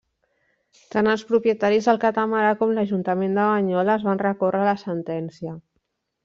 Tant els propietaris del catamarà com l'Ajuntament de Banyoles van recórrer la sentència.